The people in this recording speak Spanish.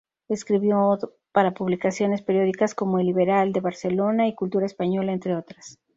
Escribió para publicaciones periódicas como "El Liberal" de Barcelona y "Cultura Española", entre otras.